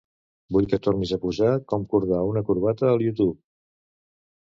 Vull que tornis a posar "Com cordar una corbata" al YouTube.